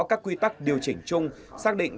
các quy tắc điều chỉnh chung xác định